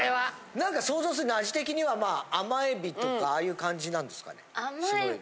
何か想像する味的には甘エビとかああいう感じなんですかね？